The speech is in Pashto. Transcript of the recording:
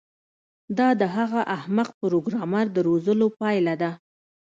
دا د هغه احمق پروګرامر د روزلو پایله ده